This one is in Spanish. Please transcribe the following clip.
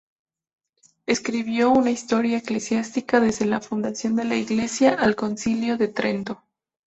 Escribió una historia eclesiástica desde la fundación de la Iglesia al Concilio de Trento.